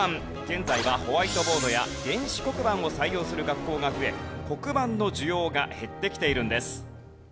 現在はホワイトボードや電子黒板を採用する学校が増え黒板の需要が減ってきているんです。